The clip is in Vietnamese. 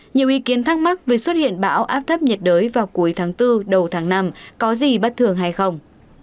nhiều ý kiến thắc mắc về xuất hiện bão áp thấp nhiệt đới vào cuối tháng bốn đầu tháng năm có gì bất thường hay không